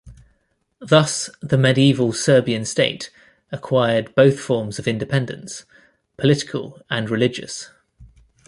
Thus the medieval Serbian state acquired both forms of independence: political and religious.